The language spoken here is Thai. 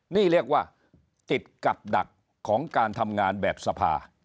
นี่เรียกว่าติดกับดักของการทำงานแบบสภา